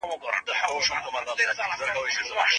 مخطوبه بايد تر هلک زياته مشره نه وي.